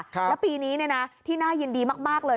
แล้วปีนี้ที่น่ายินดีมากเลย